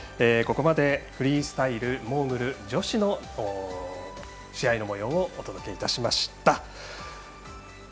ここまでフリースタイルモーグル女子の試合のもようをお届けいたしました。